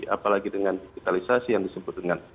apalagi dengan digitalisasi yang disebut dengan